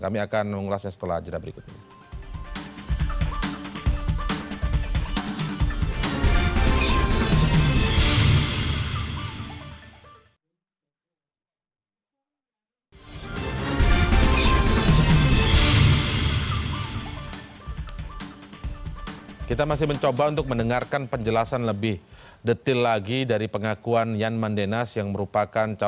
kami akan mengulasnya setelah jadwal berikutnya